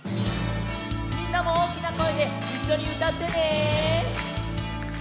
みんなもおおきなこえでいっしょにうたってね。